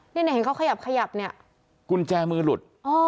เนี่ยเห็นเขาขยับขยับเนี่ยกุญแจมือหลุด